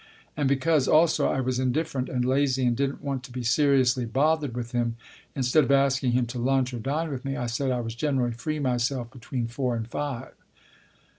And because, also, I was indifferent and lazy and didn't want to be seriously bothered with him, instead of asking him to lunch or dine with me, I said I was generally free myself between four and five.